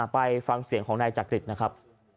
ไปฟังเสียงของนายจักริตนะครับ